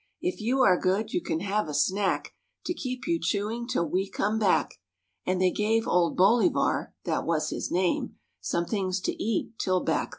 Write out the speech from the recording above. If you are good you can have a snack To keep you chewing till we come back." And they gave old Bolivar (that was his name) Some things to eat till back they came.